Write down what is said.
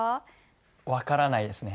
分からないですね。